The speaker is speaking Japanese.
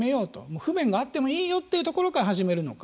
不便があってもいいよというところから始めるのか